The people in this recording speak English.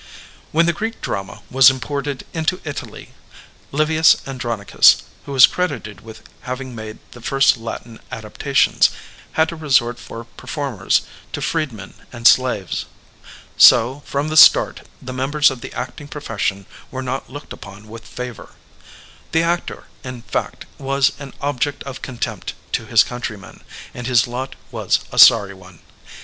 When the Greek drama was imported into Italy, Livius Andronicus, who is credited with having made the first Latin adaptations, had to resort for performers to freedmen and slaves. So, from the start the members of the acting profession were not looked upon with favor. The actor, in fact, was an object of contempt to his countrymen, and his lot was a sorry one.